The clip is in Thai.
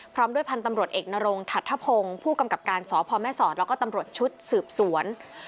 พร้อมด้วยพันธุ์ตำรวจเอกนรงถัดทะพงศ์ผู้กำกับการสพแม่สอดแล้วก็ตำรวจชุดสืบสวน